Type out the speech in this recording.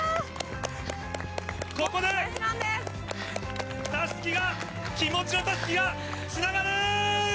ここでたすきが、気持ちのたすきがつながる。